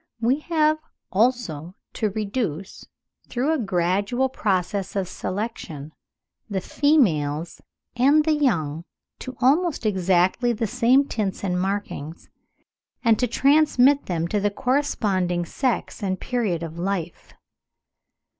We have, also, to reduce, through a gradual process of selection, the females and the young to almost exactly the same tints and markings, and to transmit them to the corresponding sex and period of life.